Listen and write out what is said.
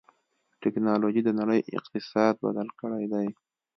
ټکنالوجي د نړۍ اقتصاد بدل کړی دی.